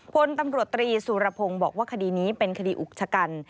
พลตำรวจตรีสุรพงศ์บอกว่าคดีนี้เป็นคดีอุกชะกัน